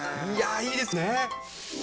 いいですね。